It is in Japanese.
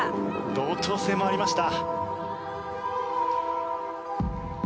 同調性もありました。